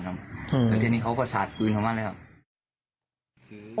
แล้วที่นี่เขาก็สาดปืนของบ้านเลยครับ